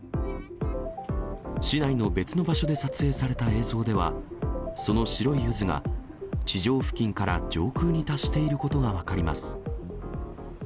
市内の別の場所で撮影された映像では、その白い渦が地上付近から上空に達していることが分かります。